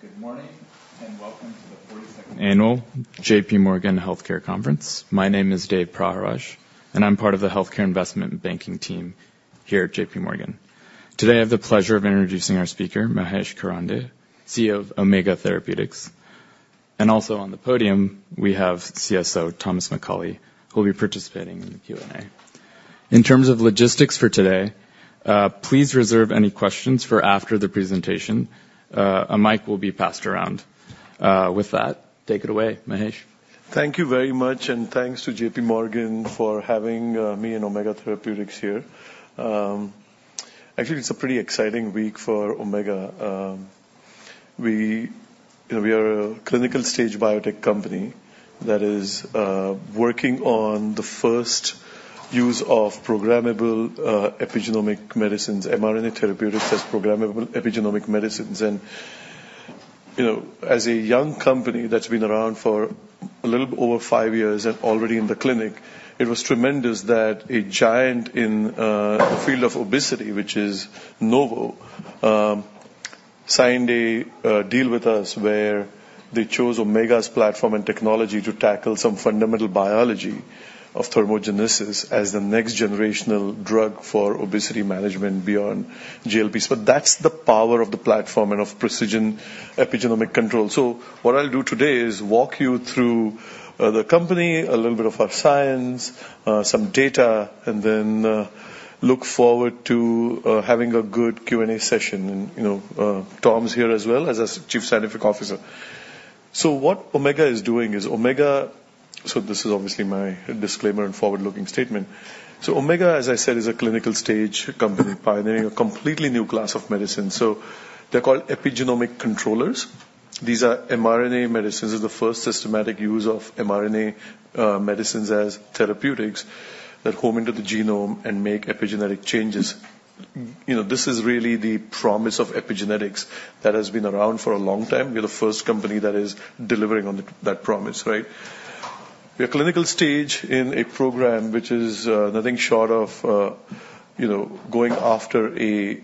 Good morning, and welcome to the 42nd annual JPMorgan Healthcare Conference. My name is Dave Paharaj, and I'm part of the healthcare investment banking team here at JPMorgan. Today, I have the pleasure of introducing our speaker, Mahesh Karande, CEO of Omega Therapeutics. And also on the podium, we have CSO, Thomas McCauley, who will be participating in the Q&A. In terms of logistics for today, please reserve any questions for after the presentation. A mic will be passed around. With that, take it away, Mahesh. Thank you very much, and thanks to JPMorgan for having me and Omega Therapeutics here. Actually, it's a pretty exciting week for Omega. We are a clinical stage biotech company that is working on the first use of programmable epigenomic medicines, mRNA therapeutics, as programmable epigenomic medicines. And, you know, as a young company that's been around for a little over five years and already in the clinic, it was tremendous that a giant in the field of obesity, which is Novo, signed a deal with us where they chose Omega's platform and technology to tackle some fundamental biology of thermogenesis as the next generational drug for obesity management beyond GLPs. But that's the power of the platform and of precision epigenomic control. So what I'll do today is walk you through the company, a little bit of our science, some data, and then look forward to having a good Q&A session. And, you know, Tom's here as well as our Chief Scientific Officer. So what Omega is doing is... So this is obviously my disclaimer and forward-looking statement. So Omega, as I said, is a clinical stage company pioneering a completely new class of medicine. So they're called epigenomic controllers. These are mRNA medicines, is the first systematic use of mRNA medicines as therapeutics that home into the genome and make epigenetic changes. You know, this is really the promise of epigenetics that has been around for a long time. We're the first company that is delivering on that promise, right? We are clinical stage in a program which is nothing short of, you know, going after a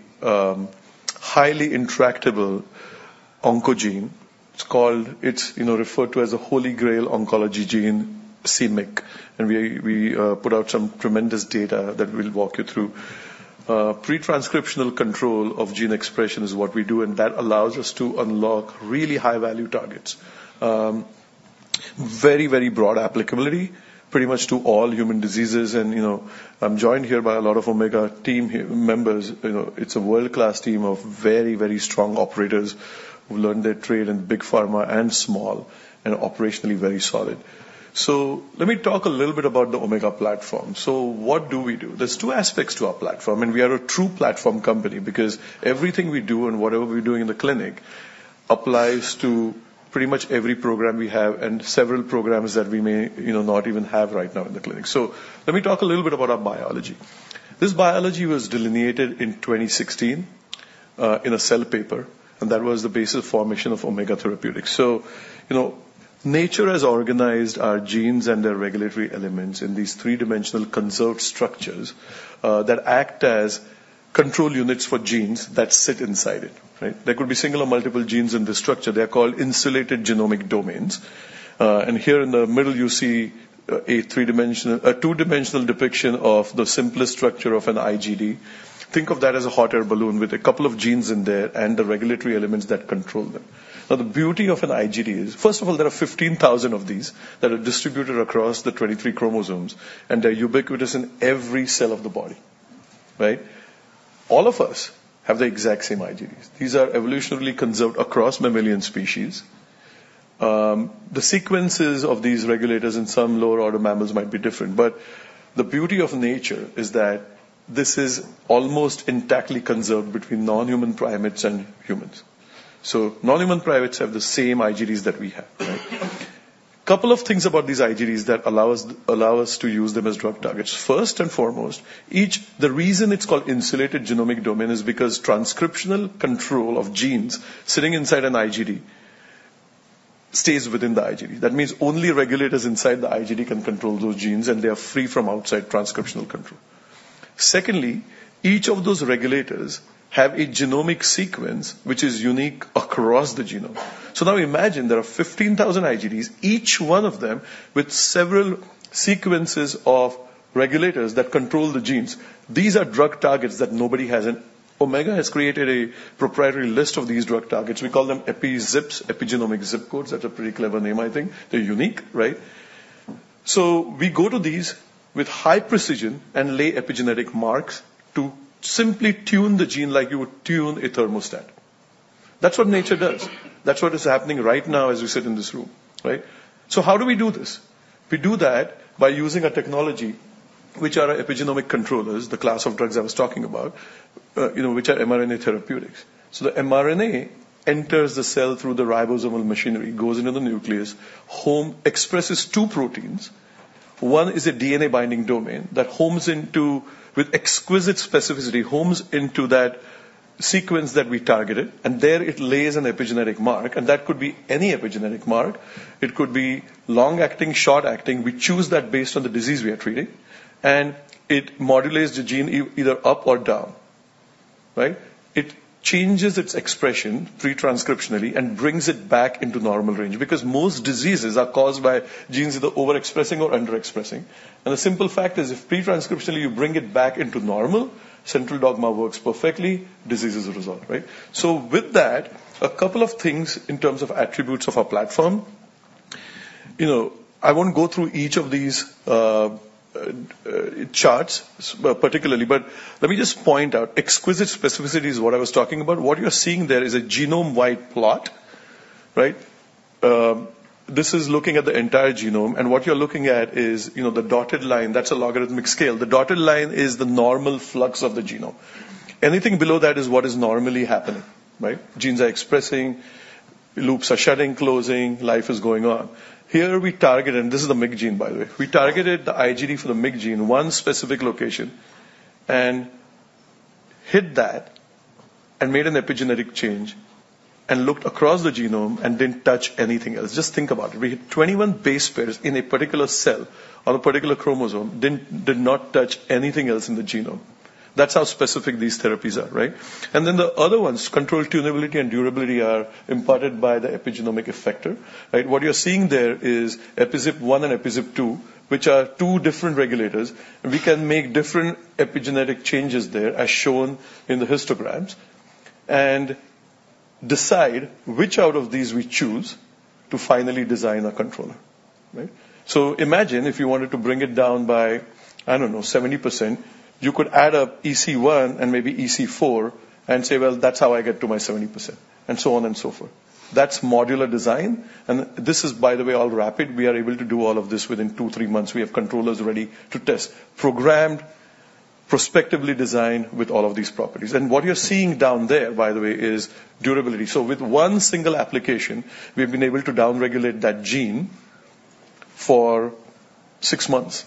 highly intractable oncogene. It's called—it's you know referred to as a holy grail oncology gene, c-MYC. And we put out some tremendous data that we'll walk you through. Pre-transcriptional control of gene expression is what we do, and that allows us to unlock really high-value targets. Very very broad applicability, pretty much to all human diseases. And you know I'm joined here by a lot of Omega team here, members. You know it's a world-class team of very very strong operators who've learned their trade in big pharma and small, and operationally very solid. So let me talk a little bit about the Omega platform. So what do we do? There's two aspects to our platform, and we are a true platform company because everything we do and whatever we're doing in the clinic applies to pretty much every program we have and several programs that we may, you know, not even have right now in the clinic. So let me talk a little bit about our biology. This biology was delineated in 2016 in a Cell paper, and that was the basis of formation of Omega Therapeutics. So, you know, nature has organized our genes and their regulatory elements in these three-dimensional conserved structures that act as control units for genes that sit inside it, right? There could be single or multiple genes in this structure. They are called Insulated Genomic Domains. And here in the middle, you see a two-dimensional depiction of the simplest structure of an IGD. Think of that as a hot air balloon with a couple of genes in there and the regulatory elements that control them. Now, the beauty of an IGD is, first of all, there are 15,000 of these that are distributed across the 23 chromosomes, and they're ubiquitous in every cell of the body, right? All of us have the exact same IGDs. These are evolutionarily conserved across mammalian species. The sequences of these regulators in some lower order mammals might be different, but the beauty of nature is that this is almost intactly conserved between non-human primates and humans. So non-human primates have the same IGDs that we have, right? A couple of things about these IGDs that allow us, allow us to use them as drug targets. First and foremost, the reason it's called Insulated Genomic Domain is because transcriptional control of genes sitting inside an IGD stays within the IGD. That means only regulators inside the IGD can control those genes, and they are free from outside transcriptional control. Secondly, each of those regulators have a genomic sequence which is unique across the genome. So now imagine there are 15,000 IGDs, each one of them with several sequences of regulators that control the genes. These are drug targets that nobody has, and Omega has created a proprietary list of these drug targets. We call them EpiZips, Epigenomic Zip Codes. That's a pretty clever name, I think. They're unique, right? So we go to these with high precision and lay epigenetic marks to simply tune the gene like you would tune a thermostat. That's what nature does. That's what is happening right now as we sit in this room, right? So how do we do this? We do that by using a technology, which are epigenomic controllers, the class of drugs I was talking about, you know, which are mRNA therapeutics. So the mRNA enters the cell through the ribosomal machinery, goes into the nucleus, expresses two proteins. One is a DNA-binding domain that homes into, with exquisite specificity, homes into that sequence that we targeted, and there it lays an epigenetic mark, and that could be any epigenetic mark. It could be long-acting, short-acting. We choose that based on the disease we are treating, and it modulates the gene either up or down. Right? It changes its expression pre-transcriptionally and brings it back into normal range. Because most diseases are caused by genes either overexpressing or underexpressing. The simple fact is, if pre-transcriptionally, you bring it back into normal, central dogma works perfectly, disease is a result, right? With that, a couple of things in terms of attributes of our platform. You know, I won't go through each of these, charts, particularly, but let me just point out, exquisite specificity is what I was talking about. What you're seeing there is a genome-wide plot, right? This is looking at the entire genome, and what you're looking at is, you know, the dotted line, that's a logarithmic scale. The dotted line is the normal flux of the genome. Anything below that is what is normally happening, right? Genes are expressing, loops are shutting, closing, life is going on. Here, we target, and this is the MYC gene, by the way. We targeted the IGD for the MYC gene, one specific location, and hit that and made an epigenetic change and looked across the genome and didn't touch anything else. Just think about it. We hit 21 base pairs in a particular cell on a particular chromosome, did not touch anything else in the genome. That's how specific these therapies are, right? And then the other ones, control tunability and durability, are imparted by the epigenomic effector, right? What you're seeing there is EpiZip 1 and EpiZip 2, which are two different regulators. We can make different epigenetic changes there, as shown in the histograms, and decide which out of these we choose to finally design a controller, right? So imagine if you wanted to bring it down by, I don't know, 70%, you could add up EC 1 and maybe EC 4 and say, "Well, that's how I get to my 70%," and so on and so forth. That's modular design, and this is, by the way, all rapid. We are able to do all of this within 2, 3 months. We have controllers ready to test. Programmed, prospectively designed with all of these properties. And what you're seeing down there, by the way, is durability. So with one single application, we've been able to downregulate that gene for 6 months.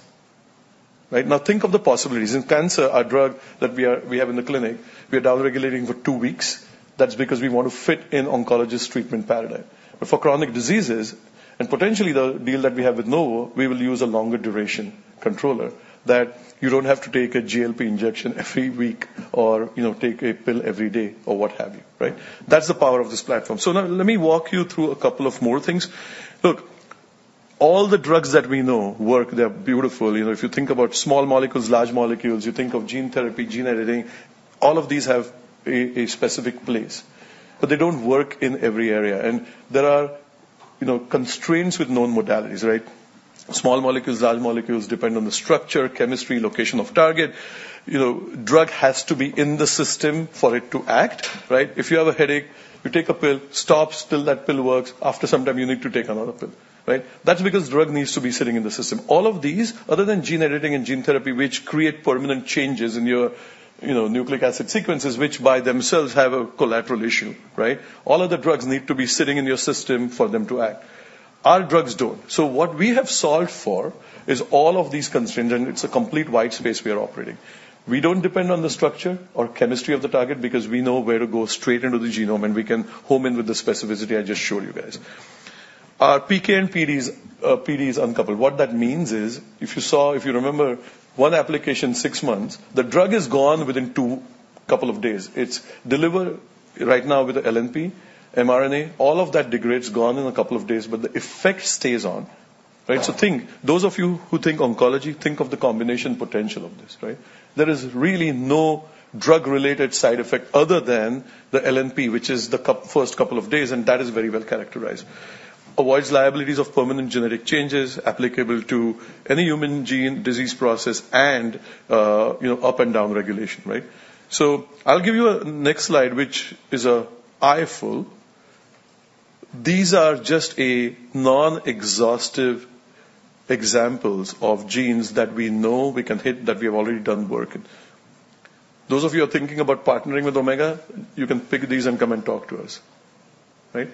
Right? Now, think of the possibilities. In cancer, our drug that we have in the clinic, we are downregulating for 2 weeks. That's because we want to fit in oncologist treatment paradigm. But for chronic diseases, and potentially the deal that we have with Novo, we will use a longer duration controller that you don't have to take a GLP injection every week or, you know, take a pill every day or what have you, right? That's the power of this platform. So now, let me walk you through a couple of more things. Look, all the drugs that we know work, they're beautiful. You know, if you think about small molecules, large molecules, you think of gene therapy, gene editing, all of these have a specific place, but they don't work in every area. And there are, you know, constraints with known modalities, right? Small molecules, large molecules, depend on the structure, chemistry, location of target. You know, drug has to be in the system for it to act, right? If you have a headache, you take a pill, stops till that pill works. After some time, you need to take another pill, right? That's because drug needs to be sitting in the system. All of these, other than gene editing and gene therapy, which create permanent changes in your, you know, nucleic acid sequences, which by themselves have a collateral issue, right? All other drugs need to be sitting in your system for them to act. Our drugs don't. So what we have solved for is all of these constraints, and it's a complete wide space we are operating. We don't depend on the structure or chemistry of the target because we know where to go straight into the genome, and we can home in with the specificity I just showed you guys. Our PK and PD is, PD is uncoupled. What that means is, if you remember, one application, six months, the drug is gone within a couple of days. It's delivered right now with the LNP, mRNA, all of that degrades, gone in a couple of days, but the effect stays on, right? So think, those of you who think oncology, think of the combination potential of this, right? There is really no drug-related side effect other than the LNP, which is the first couple of days, and that is very well characterized. Avoids liabilities of permanent genetic changes applicable to any human gene, disease process, and, you know, up and down regulation, right? So I'll give you a next slide, which is an eyeful. These are just a non-exhaustive examples of genes that we know we can hit, that we have already done work in. Those of you who are thinking about partnering with Omega, you can pick these and come and talk to us, right?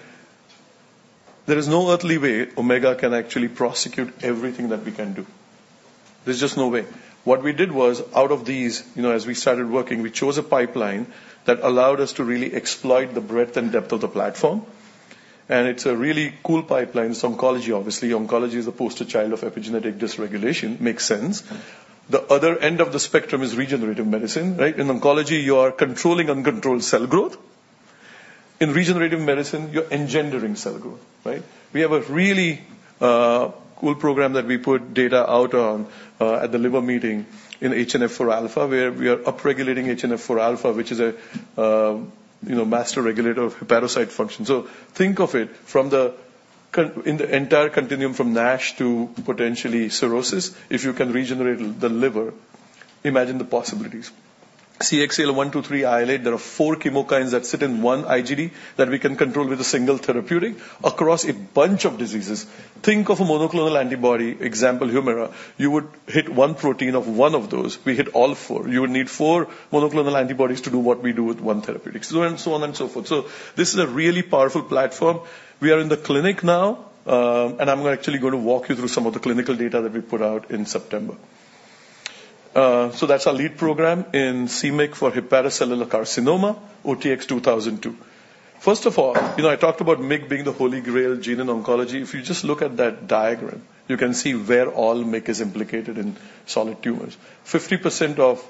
There is no earthly way Omega can actually prosecute everything that we can do. There's just no way. What we did was, out of these, you know, as we started working, we chose a pipeline that allowed us to really exploit the breadth and depth of the platform, and it's a really cool pipeline. It's oncology, obviously. Oncology is the poster child of epigenetic dysregulation. Makes sense. The other end of the spectrum is regenerative medicine, right? In oncology, you are controlling uncontrolled cell growth. In regenerative medicine, you're engendering cell growth, right? We have a really cool program that we put data out on at the liver meeting in HNF4 alpha, where we are upregulating HNF4 alpha, which is a you know, master regulator of hepatocyte function. So think of it in the entire continuum, from NASH to potentially cirrhosis. If you can regenerate the liver, imagine the possibilities. CXCL1, 2, 3, IL-8, there are four chemokines that sit in one IGD that we can control with a single therapeutic across a bunch of diseases. Think of a monoclonal antibody, example, Humira. You would hit one protein of one of those. We hit all four. You would need four monoclonal antibodies to do what we do with one therapeutic, so and so on and so forth. So this is a really powerful platform. We are in the clinic now, and I'm actually going to walk you through some of the clinical data that we put out in September. So that's our lead program in c-MYC for hepatocellular carcinoma, OTX-2002. First of all, you know, I talked about MYC being the holy grail gene in oncology. If you just look at that diagram, you can see where all MYC is implicated in solid tumors. 50% of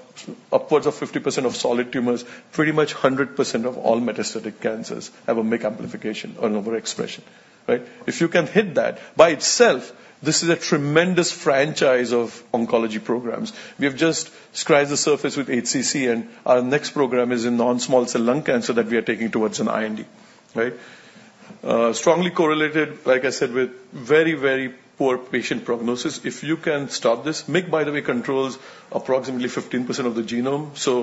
upwards of 50% of solid tumors, pretty much 100% of all metastatic cancers have a MYC amplification or an overexpression, right? If you can hit that, by itself, this is a tremendous franchise of oncology programs. We have just scratched the surface with HCC, and our next program is in non-small cell lung cancer that we are taking towards an IND, right? Strongly correlated, like I said, with very, very poor patient prognosis. If you can stop this MYC, by the way, controls approximately 15% of the genome. So,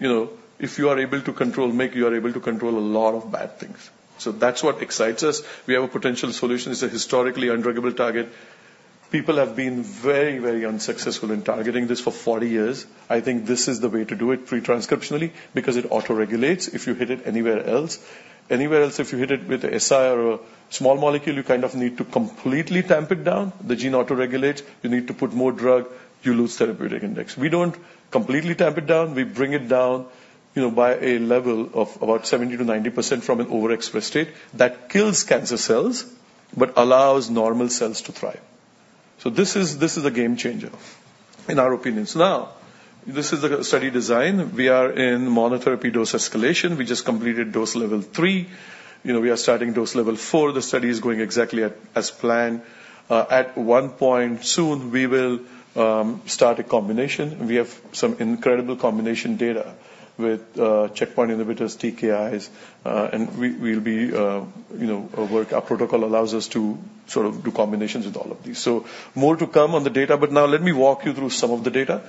you know, if you are able to control MYC, you are able to control a lot of bad things. So that's what excites us. We have a potential solution. It's a historically undruggable target. People have been very, very unsuccessful in targeting this for 40 years. I think this is the way to do it, pre-transcriptionally, because it autoregulates. If you hit it anywhere else, anywhere else, if you hit it with an SI or a small molecule, you kind of need to completely tamp it down. The gene autoregulates, you need to put more drug, you lose therapeutic index. We don't completely tamp it down. We bring it down, you know, by a level of about 70%-90% from an overexpressed state. That kills cancer cells, but allows normal cells to thrive. So this is, this is a game changer in our opinion. So now, this is a study design. We are in monotherapy dose escalation. We just completed dose level 3. You know, we are starting dose level 4. The study is going exactly as planned. At one point soon, we will start a combination. We have some incredible combination data with checkpoint inhibitors, TKIs, and we'll be, you know, our protocol allows us to sort of do combinations with all of these. So more to come on the data, but now let me walk you through some of the data.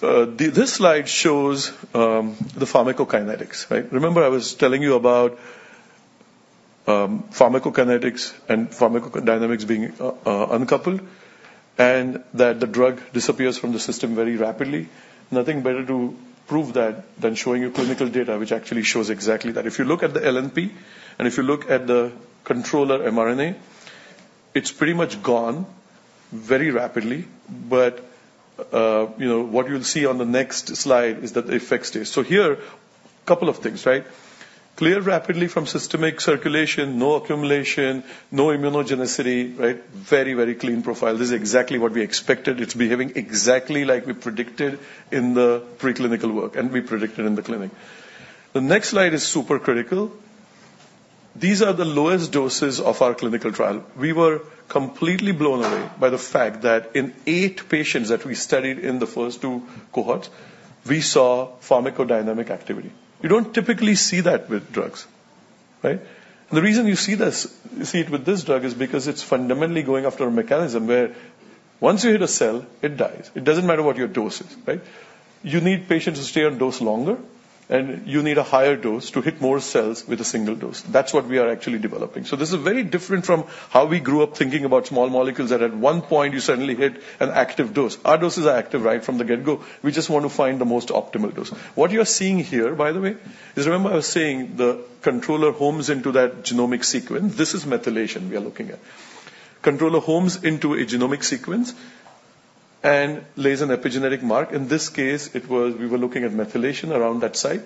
This slide shows the pharmacokinetics, right? Remember I was telling you about pharmacokinetics and pharmacodynamics being uncoupled, and that the drug disappears from the system very rapidly. Nothing better to prove that than showing you clinical data, which actually shows exactly that. If you look at the LNP and if you look at the controller mRNA, it's pretty much gone very rapidly, but you know, what you'll see on the next slide is that the effects stay. So here, a couple of things, right? Clears rapidly from systemic circulation, no accumulation, no immunogenicity, right? Very, very clean profile. This is exactly what we expected. It's behaving exactly like we predicted in the preclinical work, and we predicted in the clinic. The next slide is super critical. These are the lowest doses of our clinical trial. We were completely blown away by the fact that in eight patients that we studied in the first two cohorts, we saw pharmacodynamic activity. You don't typically see that with drugs, right? The reason you see this, you see it with this drug, is because it's fundamentally going after a mechanism where once you hit a cell, it dies. It doesn't matter what your dose is, right? You need patients to stay on dose longer, and you need a higher dose to hit more cells with a single dose. That's what we are actually developing. So this is very different from how we grew up thinking about small molecules, that at one point, you suddenly hit an active dose. Our doses are active right from the get-go. We just want to find the most optimal dose. What you are seeing here, by the way, is, remember I was saying the controller homes into that genomic sequence. This is methylation we are looking at. Controller homes into a genomic sequence and lays an epigenetic mark. In this case, it was... We were looking at methylation around that site.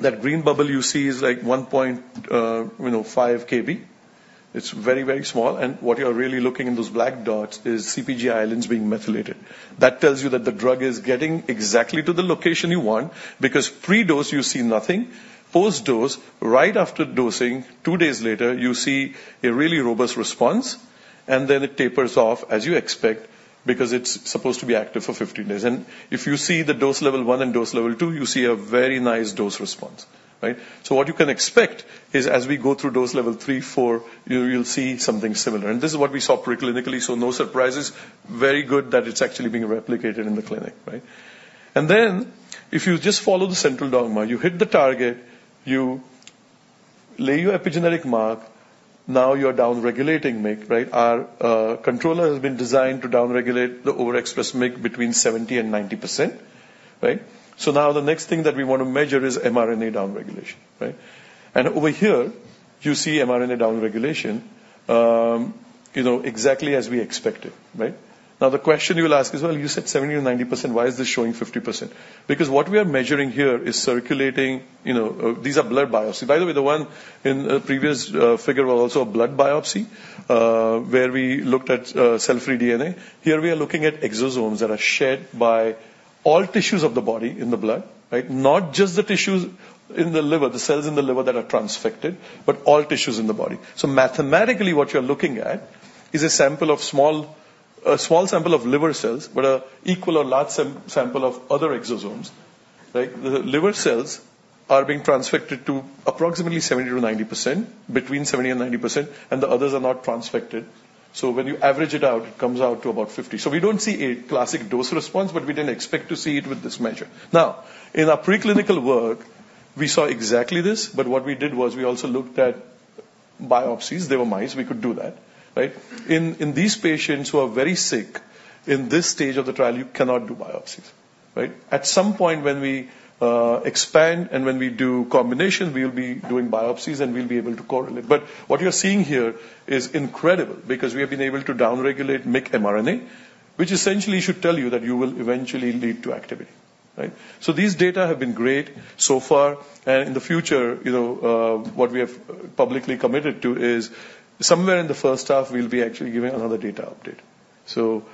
That green bubble you see is like 1.5, you know, KB. It's very, very small, and what you are really looking in those black dots is CpG islands being methylated. That tells you that the drug is getting exactly to the location you want, because pre-dose, you see nothing. Post-dose, right after dosing, two days later, you see a really robust response, and then it tapers off, as you expect, because it's supposed to be active for 15 days. And if you see the dose level 1 and dose level 2, you see a very nice dose response, right? So what you can expect is as we go through dose level 3, 4, you, you'll see something similar. And this is what we saw pre-clinically, so no surprises. Very good that it's actually being replicated in the clinic, right? And then, if you just follow the central dogma, you hit the target, you lay your epigenetic mark. Now you're downregulating MYC, right? Our controller has been designed to downregulate the overexpressed MYC between 70% and 90%, right? So now the next thing that we want to measure is mRNA downregulation, right? Over here, you see mRNA downregulation, you know, exactly as we expected, right? Now, the question you will ask is: Well, you said 70%-90%, why is this showing 50%? Because what we are measuring here is circulating. You know, these are blood biopsy. By the way, the one in the previous figure was also a blood biopsy, where we looked at cell-free DNA. Here we are looking at exosomes that are shed by all tissues of the body in the blood, right? Not just the tissues in the liver, the cells in the liver that are transfected, but all tissues in the body. So mathematically, what you're looking at is a sample of a small sample of liver cells, but an equal or large sample of other exosomes, right? The liver cells are being transfected to approximately 70%-90%, between 70% and 90%, and the others are not transfected. So when you average it out, it comes out to about 50%. So we don't see a classic dose response, but we didn't expect to see it with this measure. Now, in our preclinical work, we saw exactly this, but what we did was we also looked at biopsies. They were mice, we could do that, right? In these patients who are very sick, in this stage of the trial, you cannot do biopsies, right? At some point, when we expand and when we do combinations, we'll be doing biopsies, and we'll be able to correlate. But what you're seeing here is incredible because we have been able to downregulate MYC mRNA, which essentially should tell you that you will eventually lead to activity.... Right? So these data have been great so far, and in the future, you know, what we have publicly committed to is somewhere in the first half, we'll be actually giving another data update. So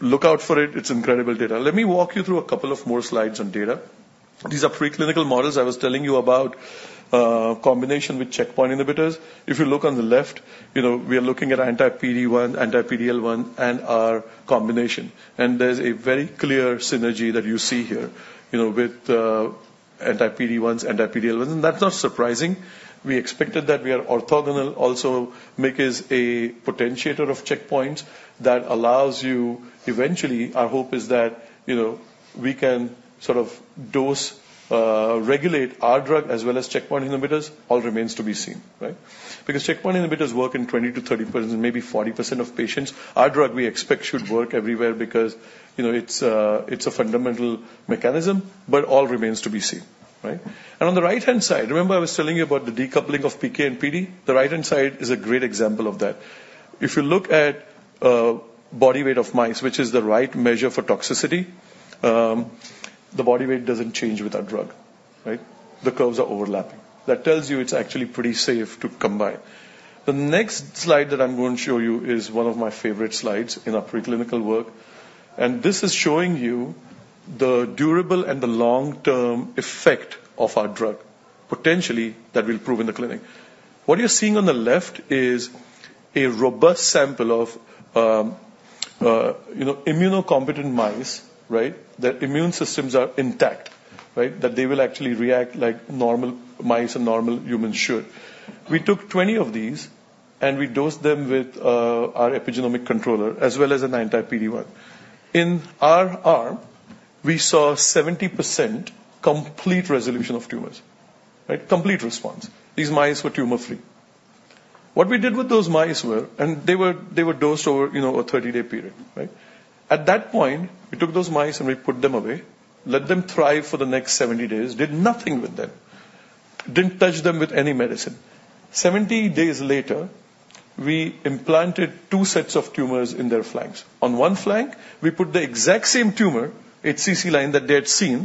look out for it. It's incredible data. Let me walk you through a couple of more slides on data. These are preclinical models I was telling you about, combination with checkpoint inhibitors. If you look on the left, you know, we are looking at anti-PD-1, anti-PD-L1, and our combination. And there's a very clear synergy that you see here, you know, with anti-PD-1s, anti-PD-L1, that's not surprising. We expected that we are orthogonal. Also, MYC is a potentiator of checkpoints that allows you... Eventually, our hope is that, you know, we can sort of dose, regulate our drug as well as checkpoint inhibitors. All remains to be seen, right? Because checkpoint inhibitors work in 20%-30%, maybe 40% of patients. Our drug, we expect, should work everywhere because, you know, it's a, it's a fundamental mechanism, but all remains to be seen, right? And on the right-hand side, remember I was telling you about the decoupling of PK and PD? The right-hand side is a great example of that. If you look at body weight of mice, which is the right measure for toxicity, the body weight doesn't change with our drug, right? The curves are overlapping. That tells you it's actually pretty safe to combine. The next slide that I'm going to show you is one of my favorite slides in our preclinical work, and this is showing you the durable and the long-term effect of our drug, potentially, that will prove in the clinic. What you're seeing on the left is a robust sample of immunocompetent mice, right? Their immune systems are intact, right, that they will actually react like normal mice and normal humans should. We took 20 of these, and we dosed them with our epigenomic controller as well as an anti-PD-1. In our arm, we saw 70% complete resolution of tumors, right, complete response. These mice were tumor-free. What we did with those mice, and they were, they were dosed over, you know, a 30-day period, right? At that point, we took those mice, and we put them away, let them thrive for the next 70 days, did nothing with them, didn't touch them with any medicine. 70 days later, we implanted 2 sets of tumors in their flanks. On one flank, we put the exact same tumor, HCC line, that they had seen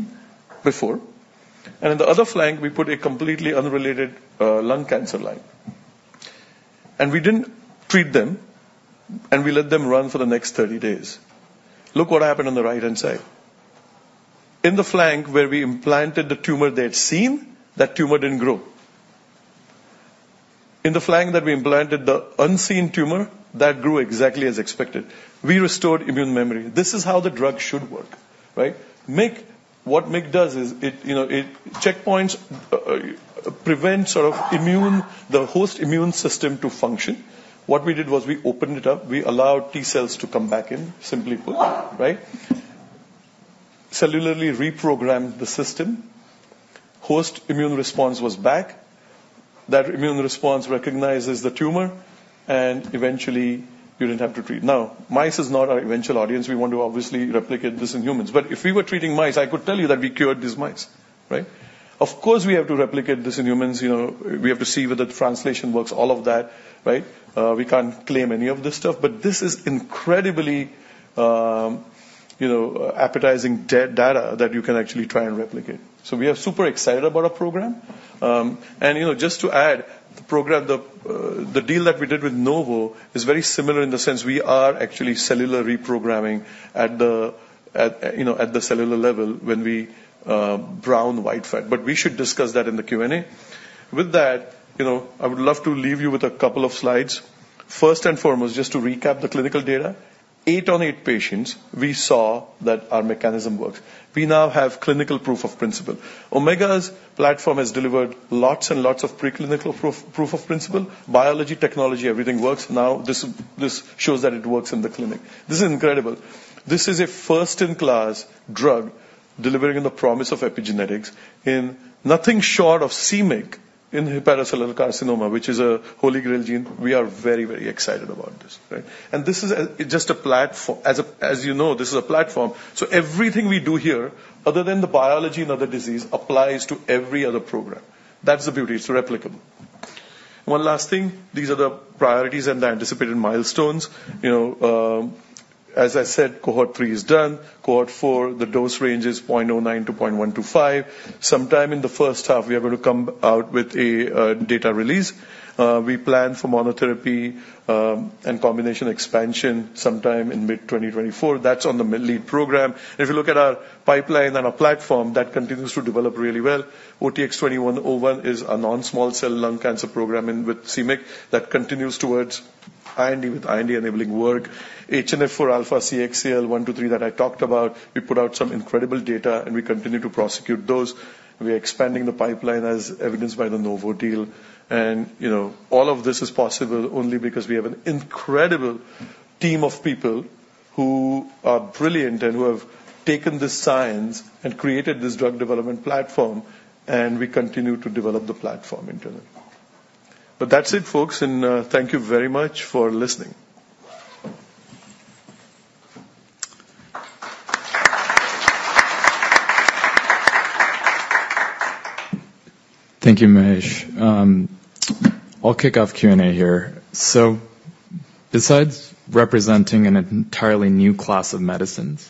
before, and in the other flank, we put a completely unrelated, lung cancer line. We didn't treat them, and we let them run for the next 30 days. Look what happened on the right-hand side. In the flank where we implanted the tumor they had seen, that tumor didn't grow. In the flank that we implanted the unseen tumor, that grew exactly as expected. We restored immune memory. This is how the drug should work, right? MYC, what MYC does is it, you know, it checkpoints, prevent sort of immune, the host immune system to function. What we did was we opened it up. We allowed T cells to come back in, simply put, right? Cellularly reprogrammed the system. Host immune response was back. That immune response recognizes the tumor, and eventually, you didn't have to treat. Now, mice is not our eventual audience. We want to obviously replicate this in humans. But if we were treating mice, I could tell you that we cured these mice, right? Of course, we have to replicate this in humans, you know, we have to see whether the translation works, all of that, right? We can't claim any of this stuff, but this is incredibly, you know, appetizing data that you can actually try and replicate. So we are super excited about our program. And, you know, just to add, the program, the deal that we did with Novo is very similar in the sense we are actually cellular reprogramming at the, at, you know, at the cellular level when we, brown white fat. But we should discuss that in the Q&A. With that, you know, I would love to leave you with a couple of slides. First and foremost, just to recap the clinical data, 8 on 8 patients, we saw that our mechanism works. We now have clinical proof of principle. Omega's platform has delivered lots and lots of preclinical proof, proof of principle. Biology, technology, everything works. Now, this, this shows that it works in the clinic. This is incredible. This is a first-in-class drug delivering on the promise of epigenetics in nothing short of c-MYC in hepatocellular carcinoma, which is a holy grail gene. We are very, very excited about this, right? And this is just a platform - as, as you know, this is a platform, so everything we do here, other than the biology and other disease, applies to every other program. That's the beauty. It's replicable. One last thing, these are the priorities and the anticipated milestones. You know, as I said, Cohort 3 is done. Cohort 4, the dose range is 0.09-0.125. Sometime in the first half, we are going to come out with a data release. We plan for monotherapy and combination expansion sometime in mid-2024. That's on the lead program. If you look at our pipeline and our platform, that continues to develop really well. OTX-2101 is a non-small cell lung cancer program in with c-MYC that continues towards IND, with IND-enabling work. HNF4 alpha, CXCL1/2/3 that I talked about, we put out some incredible data, and we continue to prosecute those. We are expanding the pipeline, as evidenced by the Novo deal. You know, all of this is possible only because we have an incredible team of people who are brilliant and who have taken this science and created this drug development platform, and we continue to develop the platform into it. But that's it, folks, and, thank you very much for listening. Thank you, Mahesh. I'll kick off Q&A here. So besides representing an entirely new class of medicines,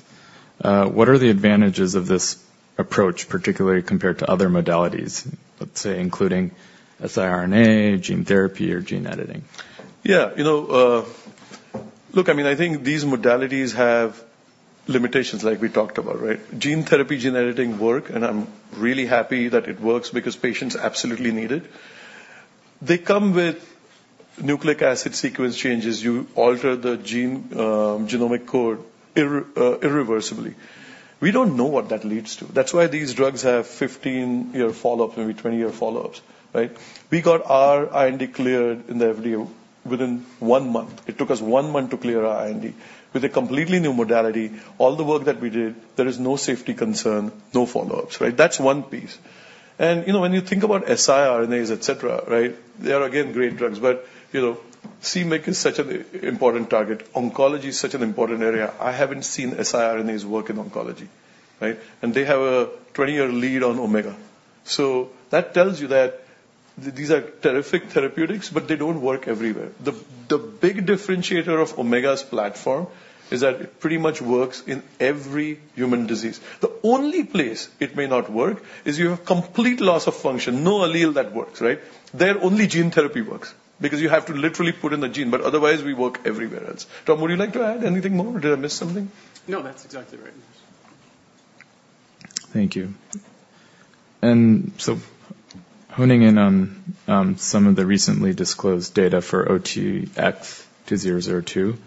what are the advantages of this approach, particularly compared to other modalities, let's say, including siRNA, gene therapy, or gene editing? Yeah. You know, look, I mean, I think these modalities have limitations like we talked about, right? Gene therapy, gene editing work, and I'm really happy that it works because patients absolutely need it. They come with nucleic acid sequence changes. You alter the gene, genomic code irreversibly. We don't know what that leads to. That's why these drugs have 15-year follow-up, maybe 20-year follow-ups, right? We got our IND cleared in the FDA within 1 month. It took us 1 month to clear our IND. With a completely new modality, all the work that we did, there is no safety concern, no follow-ups, right? That's one piece. And, you know, when you think about siRNAs, et cetera, right, they are, again, great drugs, but, you know, c-MYC is such an important target. Oncology is such an important area. I haven't seen siRNAs work in oncology, right? And they have a 20-year lead on Omega. So that tells you that these are terrific therapeutics, but they don't work everywhere. The big differentiator of Omega's platform is that it pretty much works in every human disease. The only place it may not work is you have complete loss of function, no allele that works, right? There, only gene therapy works because you have to literally put in the gene, but otherwise, we work everywhere else. Tom, would you like to add anything more, or did I miss something? No, that's exactly right. Thank you. And so honing in on, some of the recently disclosed data for OTX-2002,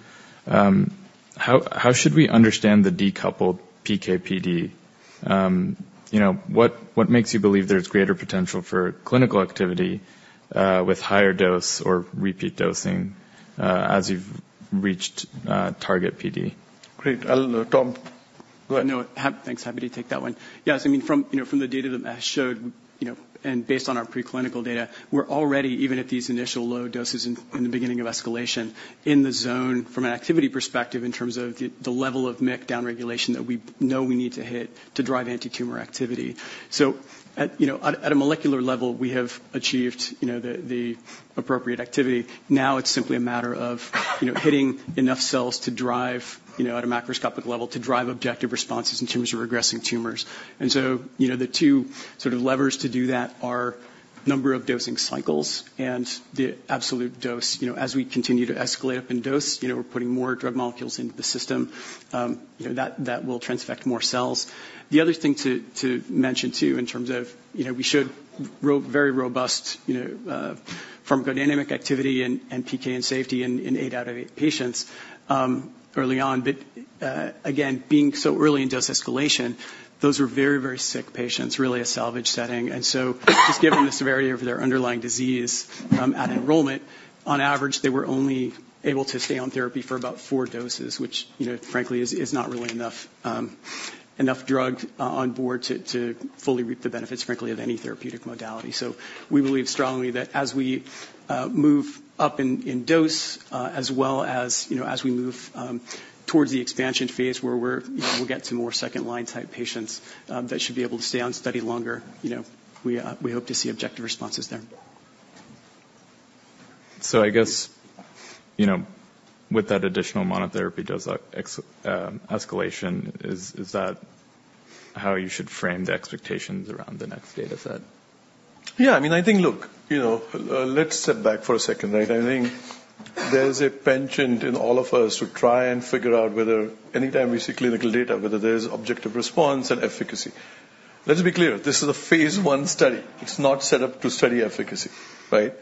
how should we understand the decoupled PK/PD? You know, what makes you believe there's greater potential for clinical activity, with higher dose or repeat dosing, as you've reached, target PD? Great. I'll... Tom, go ahead. No. Thanks. Happy to take that one. Yes, I mean, from, you know, from the data that Mahesh showed, you know, and based on our preclinical data, we're already, even at these initial low doses in the beginning of escalation, in the zone from an activity perspective, in terms of the level of MYC downregulation that we know we need to hit to drive antitumor activity. So at, you know, at a molecular level, we have achieved, you know, the appropriate activity. Now, it's simply a matter of, you know, hitting enough cells to drive, you know, at a macroscopic level, to drive objective responses in terms of regressing tumors. And so, you know, the two sort of levers to do that are number of dosing cycles and the absolute dose. You know, as we continue to escalate up in dose, you know, we're putting more drug molecules into the system, you know, that will transfect more cells. The other thing to mention, too, in terms of, you know, we showed very robust, you know, pharmacodynamic activity and PK and safety in 8 out of 8 patients early on. But again, being so early in dose escalation, those were very, very sick patients, really a salvage setting. And so, just given the severity of their underlying disease at enrollment, on average, they were only able to stay on therapy for about 4 doses, which, you know, frankly, is not really enough drug on board to fully reap the benefits, frankly, of any therapeutic modality. We believe strongly that as we move up in dose, as well as, you know, as we move towards the expansion phase, where we're, you know, we'll get to more second-line type patients that should be able to stay on study longer, you know, we hope to see objective responses there. I guess, you know, with that additional monotherapy dose escalation, is that how you should frame the expectations around the next data set? Yeah, I mean, I think, look, you know, let's step back for a second, right? I think there's a penchant in all of us to try and figure out whether anytime we see clinical data, whether there's objective response and efficacy. Let's be clear, this is a phase I study. It's not set up to study efficacy, right?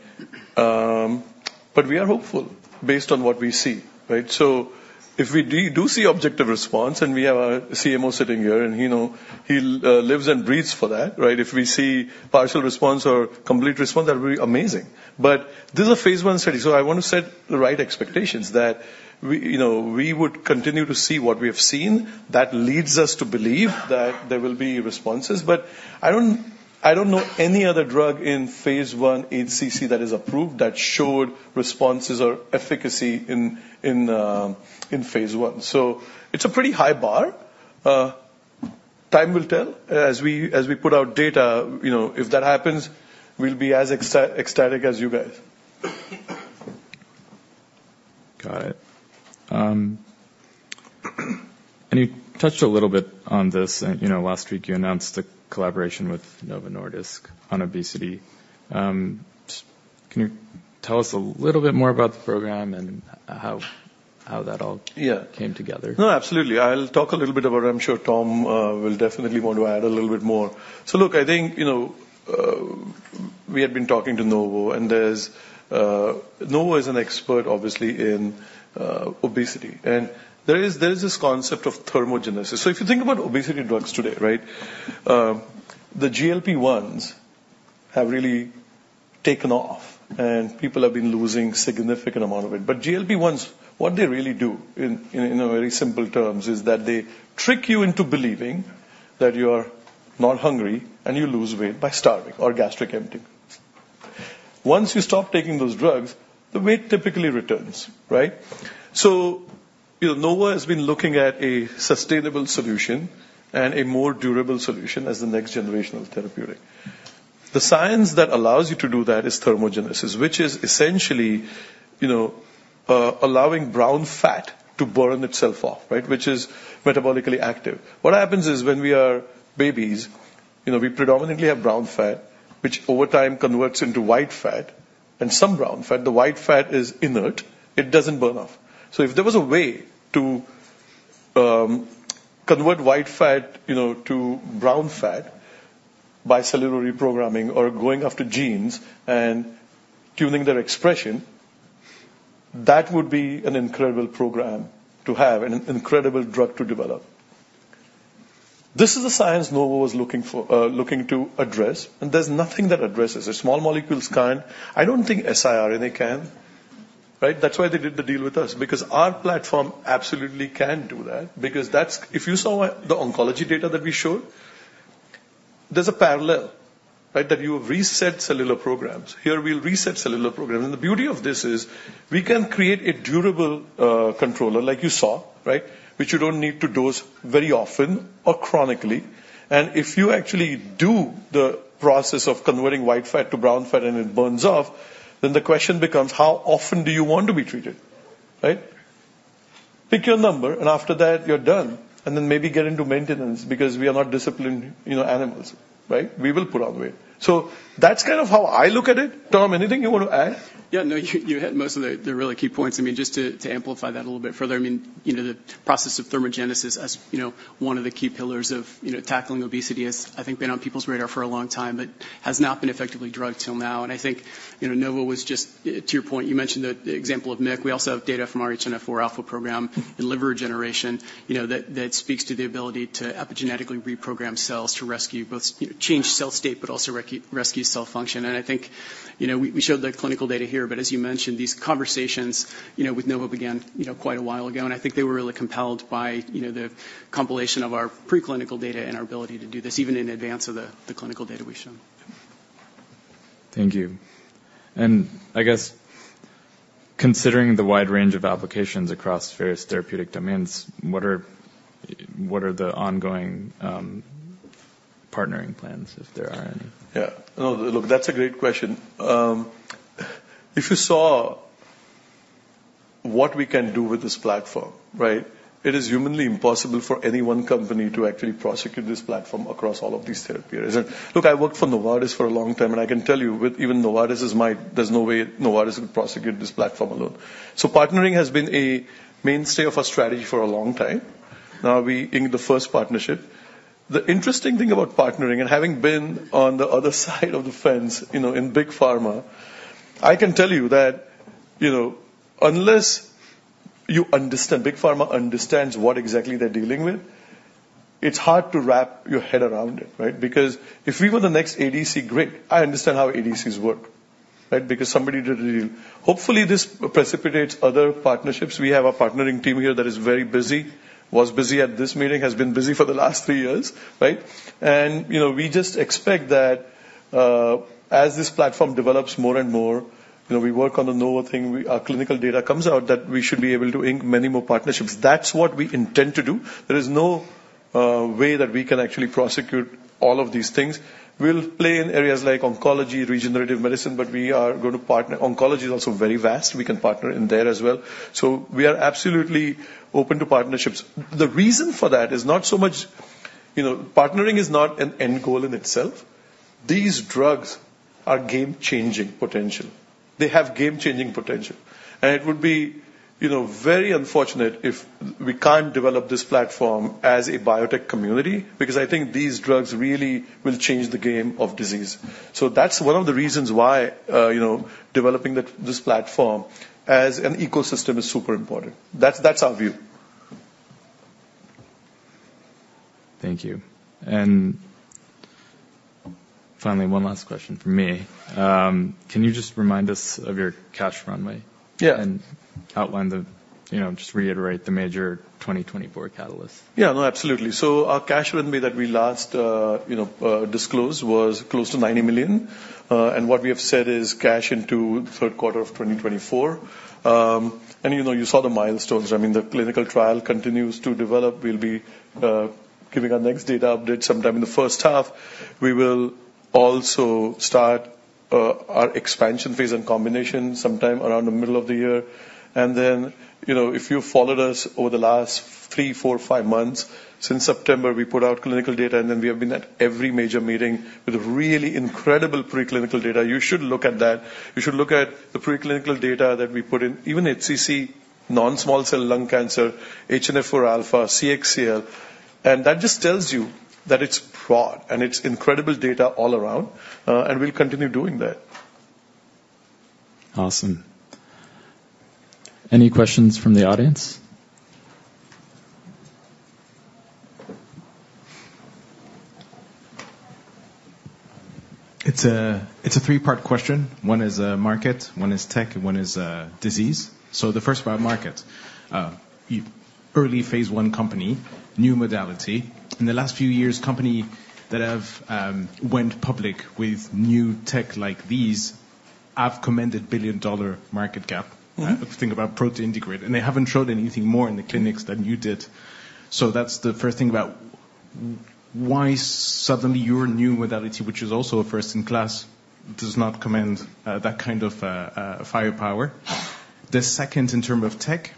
But we are hopeful based on what we see, right? So if we do see objective response, and we have our CMO sitting here, and, you know, he lives and breathes for that, right? If we see partial response or complete response, that'd be amazing. But this is a phase I study, so I want to set the right expectations that we, you know, we would continue to see what we have seen. That leads us to believe that there will be responses, but I don't know any other drug in phase I HCC that is approved that showed responses or efficacy in phase I. So it's a pretty high bar. Time will tell. As we put out data, you know, if that happens, we'll be as ecstatic as you guys. Got it. And you touched a little bit on this. You know, last week you announced a collaboration with Novo Nordisk on obesity. Can you tell us a little bit more about the program and how, how that all- Yeah. came together? No, absolutely. I'll talk a little bit about it. I'm sure Tom will definitely want to add a little bit more. So look, I think, you know, we had been talking to Novo, and there's... Novo is an expert, obviously, in obesity. And there is this concept of thermogenesis. So if you think about obesity drugs today, right, the GLP-1s have really taken off, and people have been losing significant amount of weight. But GLP-1s, what they really do, in, you know, very simple terms, is that they trick you into believing that you are not hungry and you lose weight by starving or gastric emptying.... Once you stop taking those drugs, the weight typically returns, right? So, you know, Novo has been looking at a sustainable solution and a more durable solution as the next generation of therapeutic. The science that allows you to do that is thermogenesis, which is essentially, you know, allowing brown fat to burn itself off, right? Which is metabolically active. What happens is, when we are babies, you know, we predominantly have brown fat, which over time converts into white fat and some brown fat. The white fat is inert, it doesn't burn off. So if there was a way to, convert white fat, you know, to brown fat by cellular reprogramming or going after genes and tuning their expression, that would be an incredible program to have and an incredible drug to develop. This is the science Novo was looking for, looking to address, and there's nothing that addresses it. small molecules can't. I don't think siRNA can, right? That's why they did the deal with us, because our platform absolutely can do that. Because that's if you saw the oncology data that we showed, there's a parallel, right? That you reset cellular programs. Here, we'll reset cellular programs. And the beauty of this is we can create a durable controller, like you saw, right? Which you don't need to dose very often or chronically. And if you actually do the process of converting white fat to brown fat and it burns off, then the question becomes: how often do you want to be treated, right? Pick your number, and after that, you're done. And then maybe get into maintenance, because we are not disciplined, you know, animals, right? We will put on weight. So that's kind of how I look at it. Tom, anything you want to add? Yeah, no, you hit most of the really key points. I mean, just to amplify that a little bit further, I mean, you know, the process of thermogenesis, as you know, one of the key pillars of you know, tackling obesity, has, I think, been on people's radar for a long time, but has not been effectively drugged till now. And I think, you know, Novo was just... To your point, you mentioned the example of MYC. We also have data from our HNF4 alpha program in liver regeneration, you know, that speaks to the ability to epigenetically reprogram cells, to rescue both, you know, change cell state, but also rescue cell function. I think, you know, we, we showed the clinical data here, but as you mentioned, these conversations, you know, with Novo began, you know, quite a while ago, and I think they were really compelled by, you know, the compilation of our preclinical data and our ability to do this, even in advance of the, the clinical data we've shown. Thank you. I guess considering the wide range of applications across various therapeutic domains, what are the ongoing, partnering plans, if there are any? Yeah. No, look, that's a great question. If you saw what we can do with this platform, right, it is humanly impossible for any one company to actually prosecute this platform across all of these therapeutics. Look, I worked for Novartis for a long time, and I can tell you, with even Novartis, there's no way Novartis can prosecute this platform alone. So partnering has been a mainstay of our strategy for a long time. Now, we inked the first partnership. The interesting thing about partnering and having been on the other side of the fence, you know, in big pharma, I can tell you that, you know, unless you understand, big pharma understands what exactly they're dealing with, it's hard to wrap your head around it, right? Because if we were the next ADC, great, I understand how ADCs work, right? Because somebody did a deal. Hopefully, this precipitates other partnerships. We have a partnering team here that is very busy, was busy at this meeting, has been busy for the last three years, right? You know, we just expect that, as this platform develops more and more, you know, we work on the Novo thing, we, clinical data comes out, that we should be able to ink many more partnerships. That's what we intend to do. There is no way that we can actually prosecute all of these things. We'll play in areas like oncology, regenerative medicine, but we are going to partner... Oncology is also very vast. We can partner in there as well. So we are absolutely open to partnerships. The reason for that is not so much... You know, partnering is not an end goal in itself. These drugs are game-changing potential. They have game-changing potential, and it would be, you know, very unfortunate if we can't develop this platform as a biotech community, because I think these drugs really will change the game of disease. So that's one of the reasons why, you know, developing this platform as an ecosystem is super important. That's our view. Thank you. Finally, one last question from me. Can you just remind us of your cash runway? Yeah. Outline the, you know, just reiterate the major 2024 catalysts. Yeah. No, absolutely. So our cash runway that we last, you know, disclosed was close to $90 million. And what we have said is cash into the third quarter of 2024. And, you know, you saw the milestones. I mean, the clinical trial continues to develop. We'll be giving our next data update sometime in the first half. We will also start our expansion phase and combination sometime around the middle of the year. And then, you know, if you followed us over the last 3, 4, 5 months, since September, we put out clinical data, and then we have been at every major meeting with really incredible preclinical data. You should look at that. You should look at the preclinical data that we put in, even HCC, non-small cell lung cancer, HNF4 alpha, CXCL, and that just tells you that it's broad and it's incredible data all around. We'll continue doing that. Awesome. Any questions from the audience? It's a, it's a three-part question. One is, market, one is tech, and one is, disease. So the first about market, you- early phase I company, new modality. In the last few years, company that have went public with new tech like these have commanded billion-dollar market cap. If you think about Protagonist, and they haven't showed anything more in the clinics than you did. So that's the first thing about why suddenly your new modality, which is also a first in class, does not command that kind of firepower? The second, in term of tech,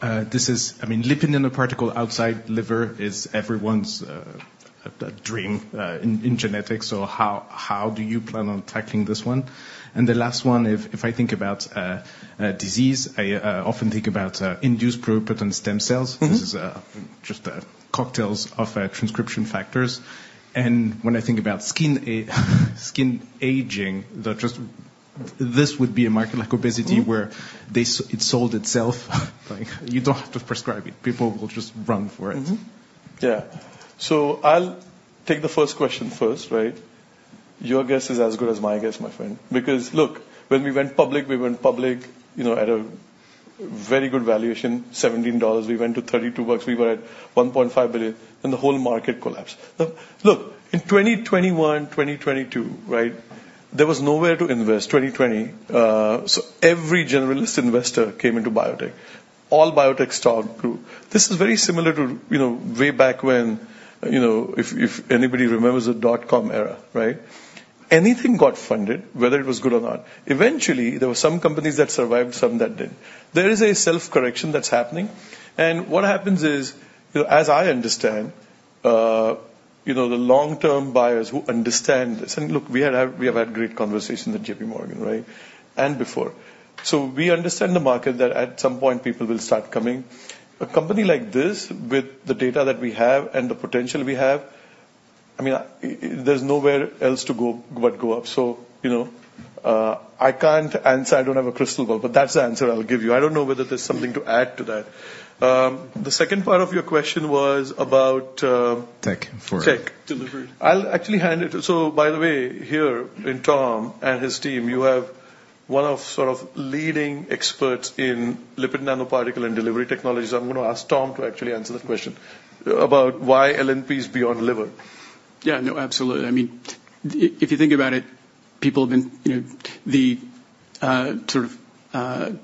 this is, I mean, lipid nanoparticle outside liver is everyone's dream in genetics, so how do you plan on tackling this one? And the last one, if I think about disease, I often think about induced pluripotent stem cells. This is just a cocktail of transcription factors. And when I think about skin aging, that just... This would be a market like obesity- It sold itself. Like, you don't have to prescribe it, people will just run for it. Yeah. So I'll take the first question first, right? Your guess is as good as my guess, my friend, because, look, when we went public, we went public, you know, at a very good valuation, $17. We went to $32. We were at $1.5 billion, and the whole market collapsed. Look, look, in 2021, 2022, right, there was nowhere to invest. 2020, so every generalist investor came into biotech. All biotech stock grew. This is very similar to, you know, way back when, you know, if, if anybody remembers the dotcom era, right? Anything got funded, whether it was good or not. Eventually, there were some companies that survived, some that didn't. There is a self-correction that's happening, and what happens is, as I understand, you know, the long-term buyers who understand this, and look, we had, we have had great conversation with JPMorgan, right? And before. So we understand the market, that at some point people will start coming. A company like this, with the data that we have and the potential we have, I mean, there's nowhere else to go but go up. So, you know, I can't answer. I don't have a crystal ball, but that's the answer I will give you. I don't know whether there's something to add to that. The second part of your question was about, Tech for- Tech. Delivery. I'll actually hand it. So by the way, here, in Tom and his team, you have one of sort of leading experts in lipid nanoparticle and delivery technologies. I'm gonna ask Tom to actually answer the question about why LNPs beyond liver. Yeah. No, absolutely. I mean, if you think about it, people have been, you know, the sort of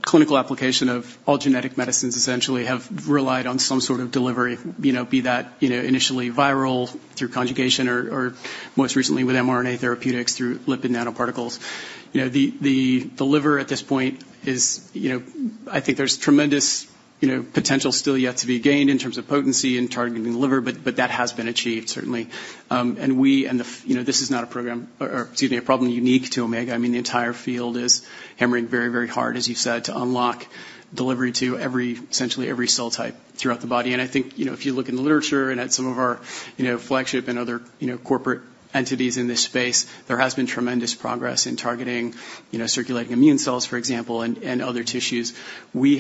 clinical application of all genetic medicines essentially have relied on some sort of delivery, you know, be that, you know, initially viral through conjugation or, or most recently with mRNA therapeutics through lipid nanoparticles. You know, the, the, the liver at this point is, you know... I think there's tremendous potential still yet to be gained in terms of potency and targeting the liver, but, but that has been achieved, certainly. And we, and the, you know, this is not a program, or, or excuse me, a problem unique to Omega. I mean, the entire field is hammering very, very hard, as you said, to unlock delivery to essentially every cell type throughout the body. And I think, you know, if you look in the literature and at some of our, you know, flagship and other, you know, corporate entities in this space, there has been tremendous progress in targeting, you know, circulating immune cells, for example, and other tissues. We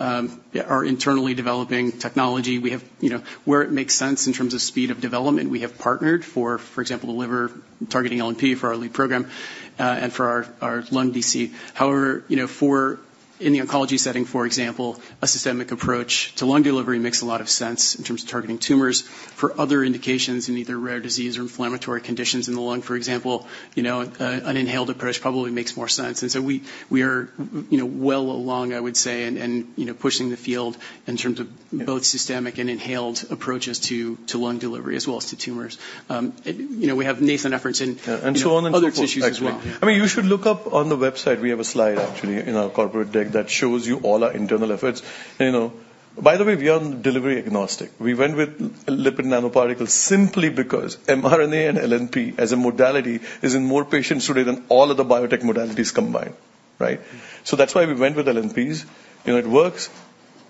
are internally developing technology. We have, you know, where it makes sense in terms of speed of development, we have partnered, for example, the liver targeting LNP for our lead program, and for our lung program. However, you know, for, in the oncology setting, for example, a systemic approach to lung delivery makes a lot of sense in terms of targeting tumors. For other indications in either rare disease or inflammatory conditions in the lung, for example, you know, an inhaled approach probably makes more sense. And so we are, you know, well along, I would say, and you know, pushing the field in terms of both- Yeah... systemic and inhaled approaches to lung delivery as well as to tumors. You know, we have nascent efforts in- And so on and so forth. other tissues as well. I mean, you should look up on the website. We have a slide, actually, in our corporate deck that shows you all our internal efforts. You know, by the way, we are delivery agnostic. We went with lipid nanoparticles simply because mRNA and LNP, as a modality, is in more patients today than all of the biotech modalities combined, right? So that's why we went with LNPs. You know, it works.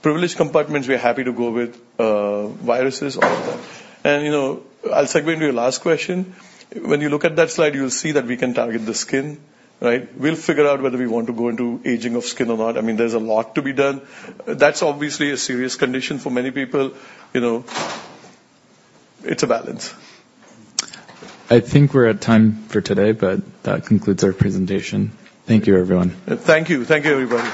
Privileged compartments, we're happy to go with viruses, all of that. And, you know, I'll segue into your last question. When you look at that slide, you'll see that we can target the skin, right? We'll figure out whether we want to go into aging of skin or not. I mean, there's a lot to be done. That's obviously a serious condition for many people. You know, it's a balance. I think we're at time for today, but that concludes our presentation. Thank you, everyone. Thank you. Thank you, everybody.